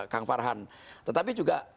kang farhan tetapi juga